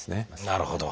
なるほど。